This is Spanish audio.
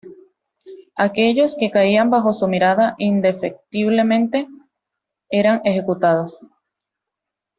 Aquellos que caían bajo su mirada indefectiblemente eran ejecutados.